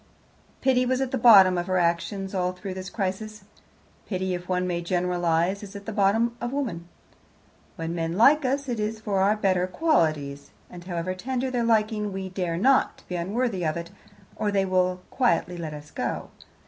Pity was at the bottom of her actions all through this crisis. Pity, if one may generalize, is at the bottom of woman. When men like us, it is for our better qualities, and however tender their liking, we dare not be unworthy of it, or they will quietly let us go.